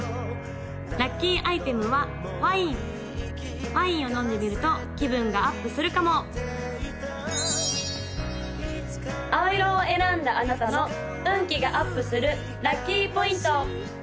・ラッキーアイテムはワインワインを飲んでみると気分がアップするかも青色を選んだあなたの運気がアップするラッキーポイント！